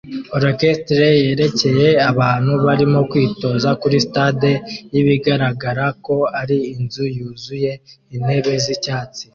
Orchestre yerekeye abantu barimo kwitoza kuri stade yibigaragara ko ari inzu yuzuye intebe zicyatsi